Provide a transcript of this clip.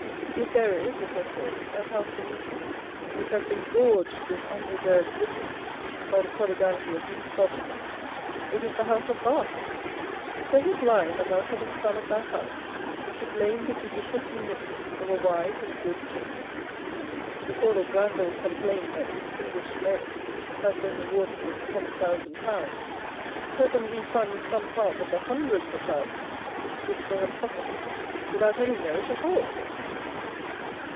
If there is, it was said, a House in England which has been gorged with undeserved riches by the prodigality of weak sovereigns, it is the House of Bath. Does it lie in the mouth of a son of that house to blame the judicious munificence of a wise and good King? Before the Granvilles complain that distinguished merit has been rewarded with ten thousand pounds, let them refund some part of the hundreds of thousands which they have pocketed without any merit at all.